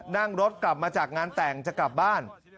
นั่งรถกลับมาจากงานแต่งจะกลับบ้าน